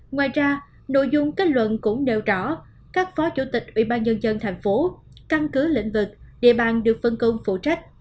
ngoài ra nội dung kết luận cũng nêu rõ các phó chủ tịch ủy ban nhân dân thành phố căn cứ lĩnh vực địa bàn được phân công phụ trách